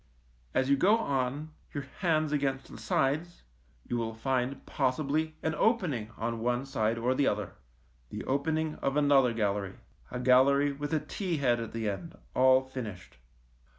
As you go on, your hands against the sides, you will find possibly an opening on one side or the other — the opening of another gallery, a gallery with a T head at the end, all finished.